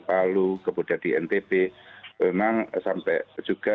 palu kemudian di ntb memang sampai juga